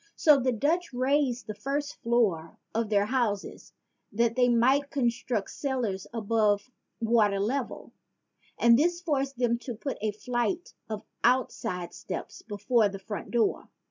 So the Dutch raised the first floor of their houses that they might construct cellars above the water level; and this forced them to put a flight of outside steps before the front door.